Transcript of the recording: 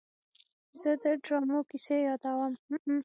زه د ډرامو کیسې یادوم.